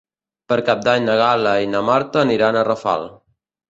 Per Cap d'Any na Gal·la i na Marta aniran a Rafal.